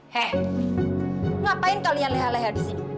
he ngapain kalian leha leha disini